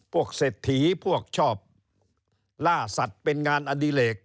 เศรษฐีพวกชอบล่าสัตว์เป็นงานอดิเลก